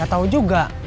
gak tau juga